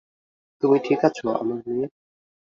তুমি ঠিক আছে, আমার মেয়ে?